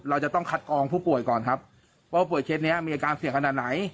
เราจะต้องคัดกองผู้ป่วยก่อนครับว่าป่วยเคสนี้มีอาการเสี่ยงขนาดไหน